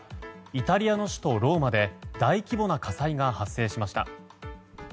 イタリアの首都ローマで大規模な火災が発生しました。